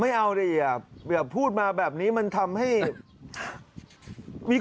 เอาดิอ่ะอย่าพูดมาแบบนี้มันทำให้มี